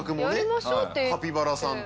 カピバラさんと。